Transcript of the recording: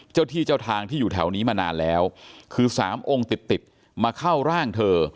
เจ้าที่เจ้าทางที่อยู่แถวนี้มานานแล้วคือสามองค์ติดติดมาเข้าร่างเธอ